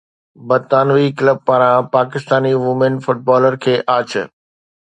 برطانوي ڪلب پاران Pakistani women footballer کي آڇ